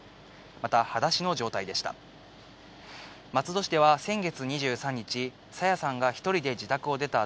またはだしの状態でした。